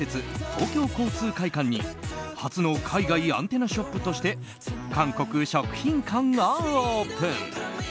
東京交通会館に初の海外アンテナショップとして韓国食品館がオープン。